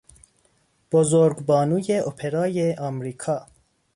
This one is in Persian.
بزرگ بانوی اپرای آمریکا